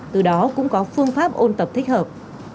từ đó cũng có phương pháp ôn tập thích hợp